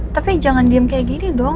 tapi jangan diem kayak gini dong